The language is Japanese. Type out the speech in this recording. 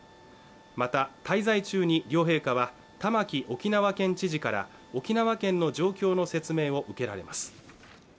また滞在中に両陛下は玉城沖縄県知事から沖縄県の状況の説明を受けられます